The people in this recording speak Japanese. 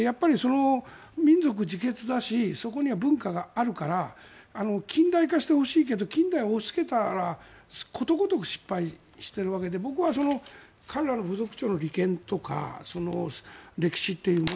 民族自決だしそこには文化があるから近代化してほしいけど近代を押しつけたらことごとく失敗しているわけで僕は彼らの部族長の利権とか歴史というもの。